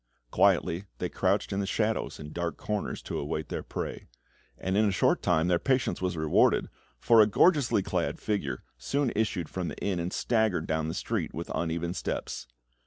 Quietly they crouched in the shadows and dark corners to await their prey; and in a short time their patience was rewarded, for a gorgeously clad figure soon issued from the inn, and staggered down the street with uneven steps.